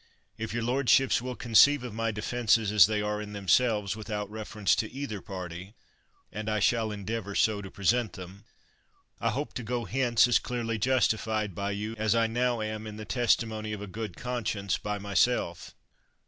If your lordships will conceive of my defenses as they are in them selves, without reference to either party — and I shall endeavor so to present them — I hope to go hence as clearly justified by you as I now am in the testimony of a good conscience by myself.